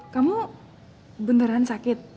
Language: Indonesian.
kamu beneran sakit